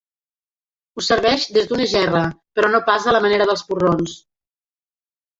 Ho serveix des d'una gerra, però no pas a la manera dels porrons.